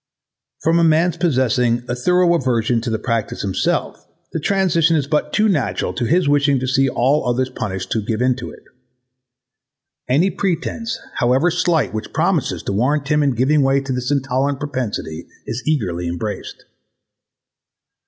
From a man's possessing a thorough aversion to a practice himself', the transition is but too natural to his wishing to see all others punished who give into it. Any pretence, however slight, which promises to warrant him in giving way to this intolerant propensity is eagerly embraced.